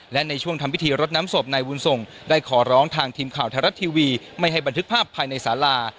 และในช่วงทำพิธีรดน้ำศพนายบุญส่งได้ขอร้องทางทีมข่าวไทยรัฐทีวีไม่ให้บันทึกภาพภายในสารา